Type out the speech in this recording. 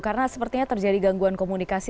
karena sepertinya terjadi gangguan komunikasi